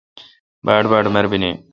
باڑباڑ مربینی ۔